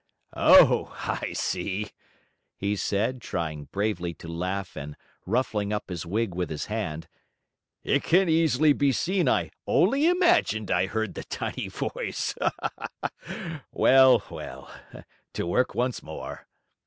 "Oh, I see," he said, trying bravely to laugh and ruffling up his wig with his hand. "It can easily be seen I only imagined I heard the tiny voice! Well, well to work once more!"